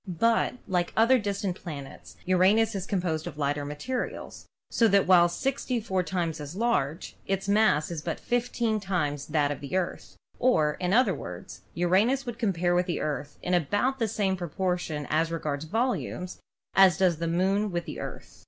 But, like the other distant planets, Uranus is composed of lighter materials, so that while 64 times as large its mass is but 15 times that of the Earth, or, in other words, Uranus would compare with the Earth in about the same proportion as regards volumes as does the Moon with the Earth.